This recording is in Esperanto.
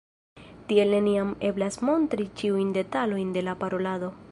Tiel neniam eblas montri ĉiujn detalojn de la parolado.